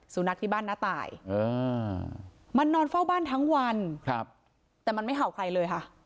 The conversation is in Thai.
สุนัขที่บ้านน้าตายมันนอนเฝ้าบ้านทั้งวันแต่มันไม่เห่าใครเลยค่ะ